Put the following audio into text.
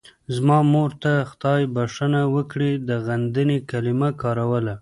زما مور ته خدای بښنه وکړي د غندنې کلمه کاروله.